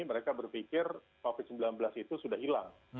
mereka berpikir covid sembilan belas itu sudah hilang